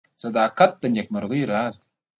• صداقت د نیکمرغۍ راز دی.